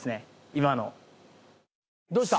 今のどうした？